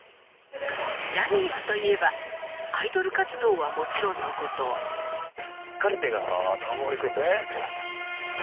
ジャニーズといえばはもちろんのことカルテが全て教えてくれました。